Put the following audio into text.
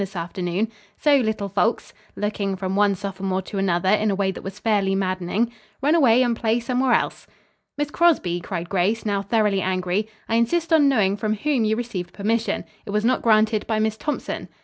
this afternoon. So, little folks," looking from one sophomore to another in a way that was fairly maddening, "run away and play somewhere else." "Miss Crosby," cried Grace, now thoroughly angry, "I insist on knowing from whom you received permission. It was not granted by Miss Thompson."